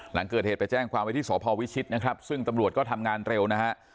หลังเกิดเหตุไปแจ้งความไว้ที่สพวิชิตนะครับซึ่งตำรวจก็ทำงานเร็วนะฮะ